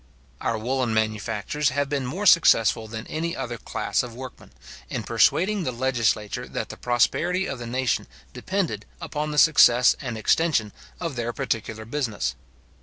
Our woollen manufacturers have been more successful than any other class of workmen, in persuading the legislature that the prosperity of the nation depended upon the success and extension of their particular business.